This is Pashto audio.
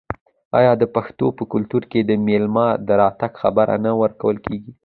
آیا د پښتنو په کلتور کې د میلمه د راتګ خبر نه ورکول کیږي؟